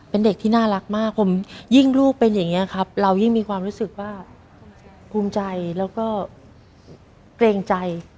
เป็นเด็กที่น่ารักมากผมยิ่งลูกเป็นอย่างนี้ครับเรายิ่งมีความรู้สึกว่าภูมิใจแล้วก็เกรงใจ